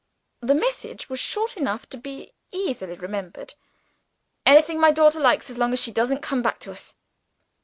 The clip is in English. The message was short enough to be easily remembered: 'Anything my daughter likes as long as she doesn't come back to us.